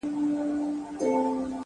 و چاته تڼۍ خلاصي کړه گرېوالنه سرگردانه!!